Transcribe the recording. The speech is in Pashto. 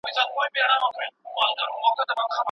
د جومات سړی په جومات کي لټوه.